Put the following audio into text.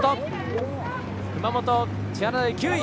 熊本、千原台９位。